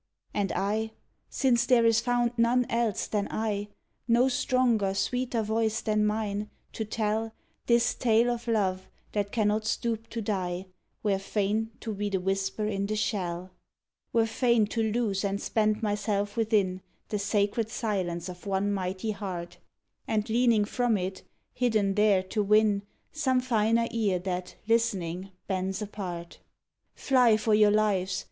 And I since there is found none else than I, No stronger, sweeter voice than mine, to tell This tale of love that cannot stoop to die Were fain to be the whisper in the shell; Were fain to lose and spend myself within The sacred silence of one mighty heart, And leaning from it, hidden there, to win Some finer ear that, listening, bends apart. "Fly for your lives!"